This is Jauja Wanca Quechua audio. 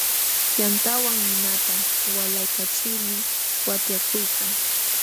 Yantawan ninata walaykachilmi watyakuykan.